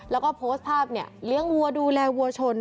แล้วก็โพสต์ภาพเนี่ยเลี้ยงวัวดูแลวัวชน